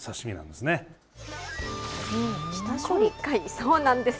そうなんです。